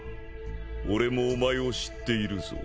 俺もお前を知っているぞ。